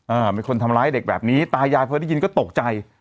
มีคนทำร้ายเด็กแบบนี้ตายายพอได้ยินก็ตกใจ